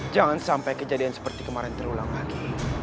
jangan sampai kejadian seperti kemarin terulang lagi